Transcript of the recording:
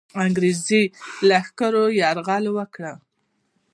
انګرېزي لښکرو یرغل وکړ.